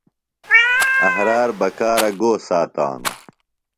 احرار بکارہ گو ساتانوۡ؟